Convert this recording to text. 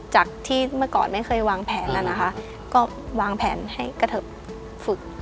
จากที่เมื่อก่อนไม่เคยวางแผนแล้วนะคะก็วางแผนให้กระเทิบฝึก